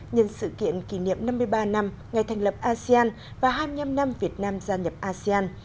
nhân sự kiện kỷ niệm năm mươi ba năm ngày thành lập asean và hai mươi năm năm việt nam gia nhập asean